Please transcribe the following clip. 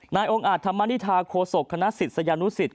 นายองค์อาจธรรมนิษฐาโคศกคณะศิษยานุสิต